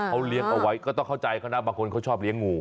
เอาเรียงเอาไว้ก็ต้องเข้าใจ